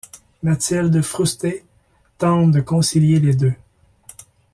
Mathilde Froustey tente de concilier les deux.